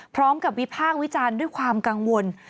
พร้อมกับวิภาควิจารณ์ด้วยความกังวล